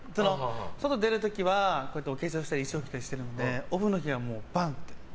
外に出る時は、こうやってお化粧したりしてるのでオフの日はバン！って。